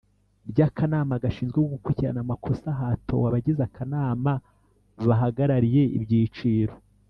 Ry akanama gashinzwe gukurikirana amakosa hatowe abagize akanama bahagarariye ibyiciro